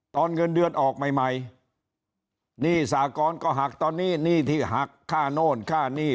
เงินเดือนออกใหม่ใหม่หนี้สากรก็หักตอนนี้หนี้ที่หักค่าโน่นค่าหนี้